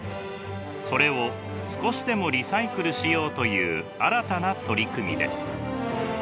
それを少しでもリサイクルしようという新たな取り組みです。